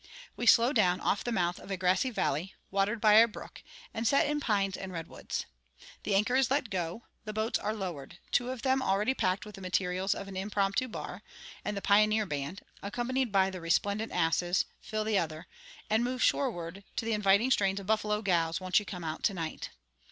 We slow down off the mouth of a grassy valley, watered by a brook, and set in pines and redwoods. The anchor is let go; the boats are lowered, two of them already packed with the materials of an impromptu bar; and the Pioneer Band, accompanied by the resplendent asses, fill the other, and move shoreward to the inviting strains of Buffalo Gals, won't you come out to night?